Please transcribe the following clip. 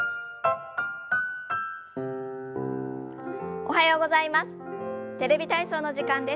おはようございます。